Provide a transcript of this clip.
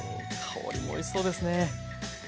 香りもおいしそうですね。